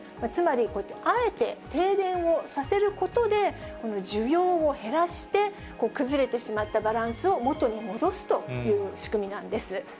つまりこうやって、あえて停電をさせることで、この需要を減らして、崩れてしまったバランスを元に戻すという仕組みなんです。